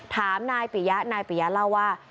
ถามนายปิยะนายปิยะเล่าว่า